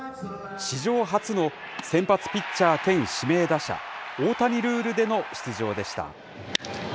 史上初の先発ピッチャー兼指名打者、大谷ルールでの出場でした。